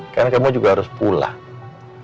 karena kamu juga harus pulang